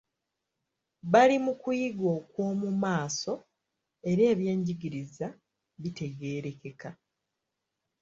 Bali mu kuyiga okw'omu maaso era ebyenjigiriza bitegeerekeka.